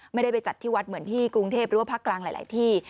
ไม่ได้ไปจัดที่วัดเหมือนที่กรุงเทพหรือว่าภาคกลางหลายที่